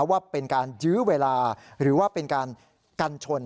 ว่าเป็นการยื้อเวลาหรือว่าเป็นการกันชน